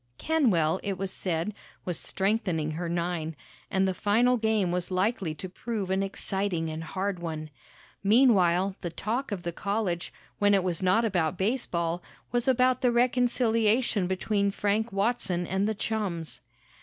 Kenwell, it was said, was strengthening her nine, and the final game was likely to prove an exciting and hard one. Meanwhile, the talk of the college, when it was not about baseball, was about the reconciliation between Frank Watson and the chums.